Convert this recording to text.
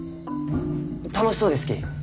楽しそうですき。